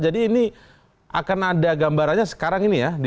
jadi ini akan ada gambarannya sekarang ini ya